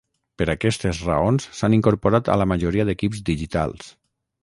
Per aquestes raons s'han incorporat a la majoria d'equips digitals.